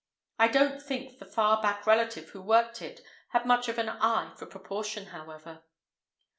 I don't think the far back relative who worked it had much of an eye for proportion, however!